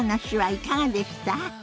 いかがでした？